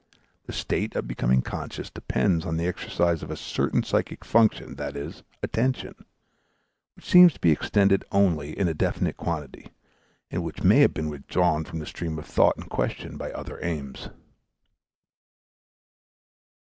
The state of becoming conscious depends on the exercise of a certain psychic function, viz. attention, which seems to be extended only in a definite quantity, and which may have been withdrawn from the stream of thought in Question by other aims.